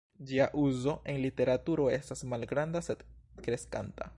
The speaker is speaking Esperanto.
Ĝia uzo en literaturo estas malgranda sed kreskanta.